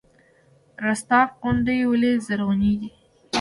رستاق غونډۍ ولې زرغونې دي؟